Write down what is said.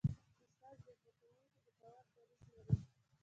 استاد د زده کوونکي د باور دریځ لري.